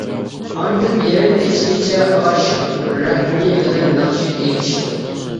ئاندىن يېرىم كېچىگىچە ئاشىق رەھمى بىلەن ناخشا ئېيتىشتۇق.